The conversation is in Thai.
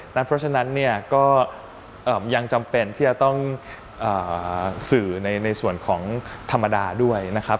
เพราะฉะนั้นเนี่ยก็ยังจำเป็นที่จะต้องสื่อในส่วนของธรรมดาด้วยนะครับ